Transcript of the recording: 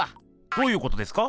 どういうことですか？